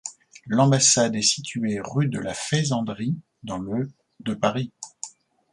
L'ambassade est située rue de la Faisanderie dans le de Paris.